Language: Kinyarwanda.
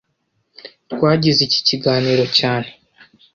Twagize iki kiganiro cyane